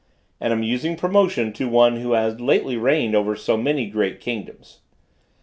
An amusing promotion to one who had lately reigned over many great kingdoms.